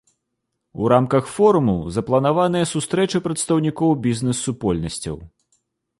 У рамках форуму запланаваныя сустрэчы прадстаўнікоў бізнэс-супольнасцяў.